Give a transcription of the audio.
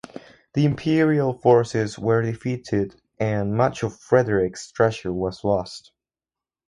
The Imperial forces were defeated and much of Frederick's treasure was lost.